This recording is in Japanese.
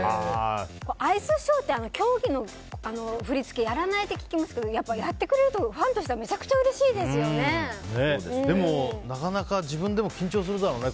アイスショーって競技の振り付けやらないって聞きますけどやってくれるとファンとしてはでもなかなか自分でも緊張するだろうね。